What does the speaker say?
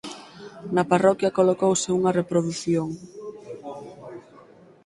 Na parroquia colocouse unha reprodución.